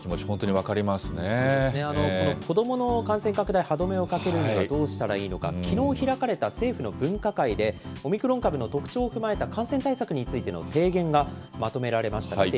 そうですね、この子どもの感染拡大、歯止めをかけるにはどうしたらいいのか、きのう開かれた政府の分科会で、オミクロン株の特徴を踏まえた感染対策についての提言がまとめられました。